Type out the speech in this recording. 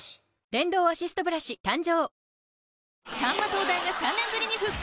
電動アシストブラシ誕生！